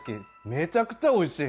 めちゃくちゃおいしい！